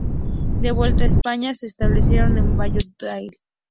De vuelta a España, se establecieron en Valladolid.